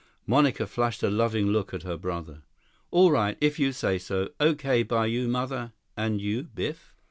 Monica flashed a loving look at her brother. "All right, if you say so. Okay by you, Mother? And you, Biff?"